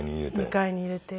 ２階に入れて。